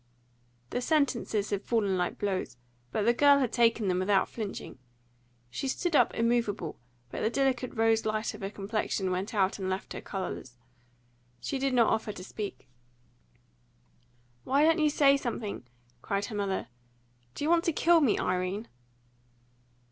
The sentences had fallen like blows. But the girl had taken them without flinching. She stood up immovable, but the delicate rose light of her complexion went out and left her colourless. She did not offer to speak. "Why don't you say something?" cried her mother. "Do you want to kill me, Irene?"